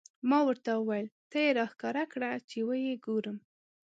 ما ورته وویل: ته یې را ښکاره کړه، چې و یې ګورم.